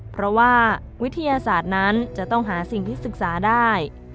เพราะว่าวิทยาศาสตร์นั้นจะต้องหาสิ่งที่ศึกษาได้